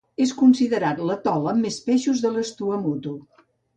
És considerat l'atol amb més peixos de les Tuamotu.